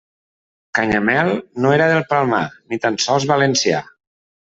Canyamel no era del Palmar, ni tan sols valencià.